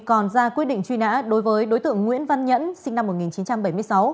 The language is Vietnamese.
còn ra quyết định truy nã đối với đối tượng nguyễn văn nhẫn sinh năm một nghìn chín trăm bảy mươi sáu